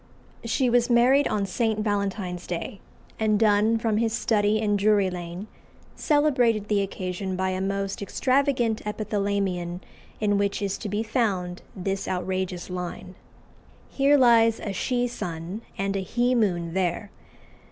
She was married on St. Valentine's Day; and Donne, from his study in Drury Lane, celebrated the occasion by a most extravagant epithalamion in which is to be found this outrageous line "Here lies a She sun, and a He moon there."